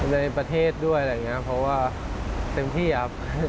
ในประเทศด้วยเพราะว่าเต็มที่ครับ